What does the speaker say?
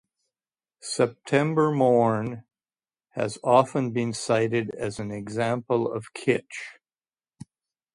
"September Morn" has often been cited as an example of kitsch.